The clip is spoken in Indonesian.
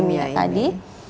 dan sabuk thalassemia tadi